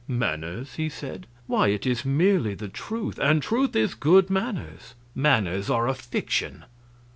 "Manners!" he said. "Why, it is merely the truth, and truth is good manners; manners are a fiction.